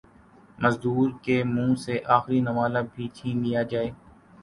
مزدور کے منہ سے آخری نوالہ بھی چھین لیا جائے